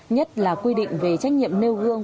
nhất là quy định về trách nhiệm nêu gương